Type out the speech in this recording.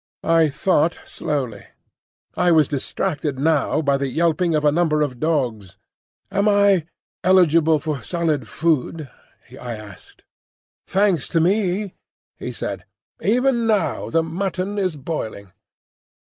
I thought slowly. (I was distracted now by the yelping of a number of dogs.) "Am I eligible for solid food?" I asked. "Thanks to me," he said. "Even now the mutton is boiling."